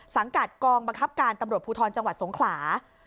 สังกัดกองบังคับการตำรวจภูทรจังหวัดสงขลา